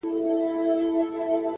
هوډ د نامعلومې لارې ملګری دی!